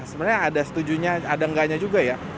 sebenarnya ada setujunya ada enggaknya juga ya